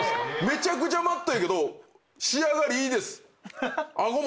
めちゃくちゃＭａｔｔやけど仕上がりいいです！